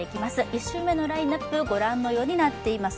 １週目のラインナップ、ご覧のようになっています。